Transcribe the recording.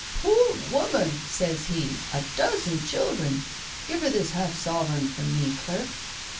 "Poor woman," says he, "a dozen children! give her this half sovereign from me, clerk."